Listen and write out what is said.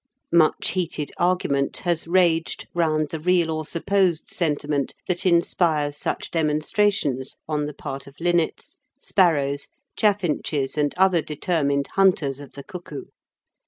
Much heated argument has raged round the real or supposed sentiment that inspires such demonstrations on the part of linnets, sparrows, chaffinches, and other determined hunters of the cuckoo.